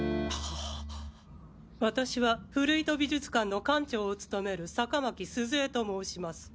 私は古糸美術館の館長を務める坂巻鈴江と申します。